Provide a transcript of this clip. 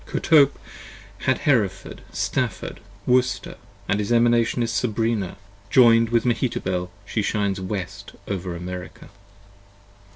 Kotope had Hereford, Stafford, Worcester, & his Emanation 45 Is Sabrina: join'd with Mehetabel she shines west over America.